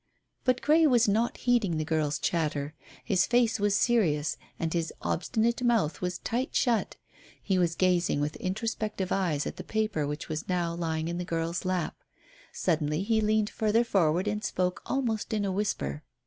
But Grey was not heeding the girl's chatter. His face was serious and his obstinate mouth was tight shut. He was gazing with introspective eyes at the paper which was now lying in the girl's lap. Suddenly he leaned further forward and spoke almost in a whisper.